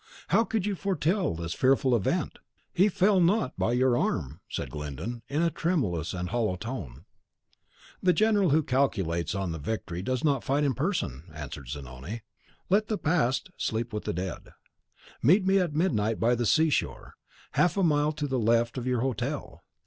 "How could you foretell this fearful event? He fell not by your arm!" said Glyndon, in a tremulous and hollow tone. "The general who calculates on the victory does not fight in person," answered Zanoni; "let the past sleep with the dead. Meet me at midnight by the sea shore, half a mile to the left of your hotel.